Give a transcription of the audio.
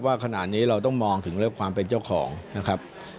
ว่าขนาดนี้เราต้องมองถึงเรื่องความเป็นเจ้าของนะครับ